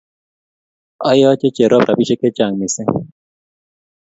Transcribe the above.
Ayache Cherop rapisyek chechang' missing'.